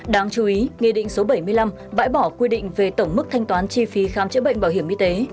đáng chú ý nghị định số bảy mươi năm bãi bỏ quy định về tổng mức thanh toán chi phí khám chữa bệnh bảo hiểm y tế